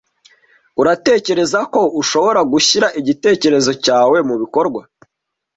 Uratekereza ko ushobora gushyira igitekerezo cyawe mubikorwa?